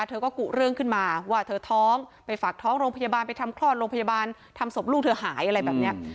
เธอก็กุเรื่องขึ้นมาว่าเธอท้องไปฝากท้องโรงพยาบาลไปทำคลอดโรงพยาบาลทำศพลูกเธอหายอะไรแบบนี้